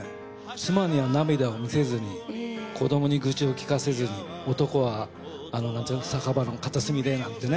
妻には涙を見せずに子どもに愚痴を聞かせずに男はあのなんていうの酒場の片隅でなんてね。